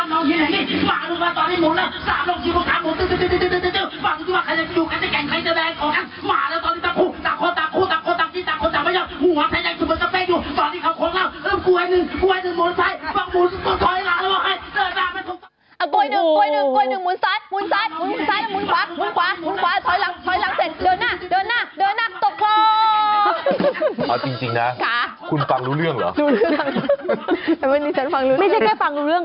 ไม่ใช่แค่ฟังรู้เรื่อง